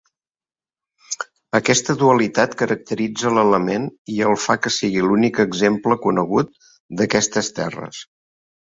Aquesta dualitat caracteritza l'element i el fa que sigui l'únic exemple conegut d'aquestes terres.